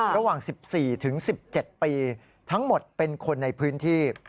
ระหว่าง๑๔ถึง๑๗ปีทั้งหมดเป็นคนในพื้นที่